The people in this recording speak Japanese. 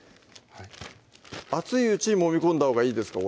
熱いうちにもみ込んだほうがいいですか？